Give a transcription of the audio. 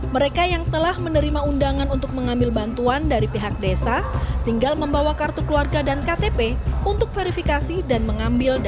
mereka yang telah menerima undangan untuk mengambil bantuan dari pihak desa tinggal membawa kartu keluarga dan ktp untuk verifikasi dan mengambil